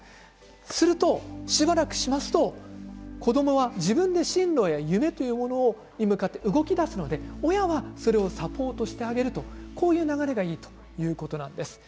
するとしばらくすると子どもは自分で進路や夢というものに向かって動きだすので親はそれをサポートしてあげるという流れがいいということなんです。